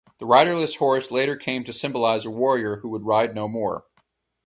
The riderless horse later came to symbolize a warrior who would ride no more.